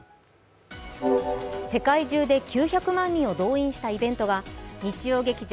世界中で９００万人を動員したイベントが日曜劇場